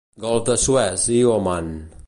Golf de Suez i Oman.